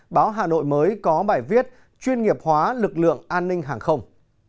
báo hà nội mới có bài viết chuyên nghiệp hóa lực lượng an ninh hàng không